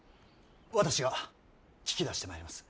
私が聞き出してまいります。